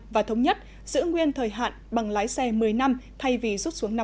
và thống nhất giữ nguyên thời hạn bằng lái xe một mươi năm thay vì rút xuống năm